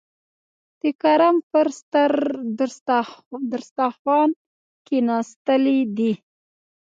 د کرم پر دسترخوان کېناستلي دي.